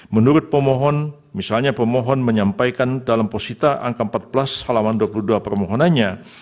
menurut pemohon misalnya pemohon menyampaikan dalam posisita angka empat belas halaman dua puluh dua permohonannya